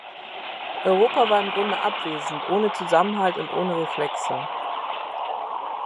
Europa war im Grunde abwesend, ohne Zusammenhalt und ohne Reflexe.